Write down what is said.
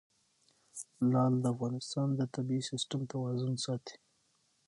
لعل د افغانستان د طبعي سیسټم توازن ساتي.